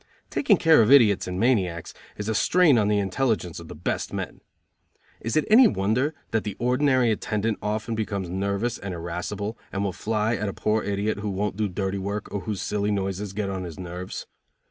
Taking care of idiots and maniacs is a strain on the intelligence of the best men. Is it any wonder that the ordinary attendant often becomes nervous and irascible, and will fly at a poor idiot who won't do dirty work or whose silly noises get on his nerves?